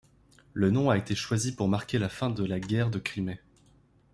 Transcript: Le nom a été choisi pour marquer la fin de la guerre de Crimée.